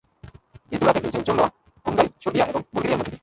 এ দু-রাত একদিন ট্রেন চলল হুঙ্গারি, সর্বিয়া এবং বুলগেরিয়ার মধ্য দিয়ে।